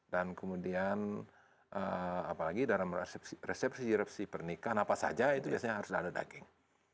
dan kemudian apalagi dalam resepsi repsi pernikahan apa saja itu biasanya harus ada daging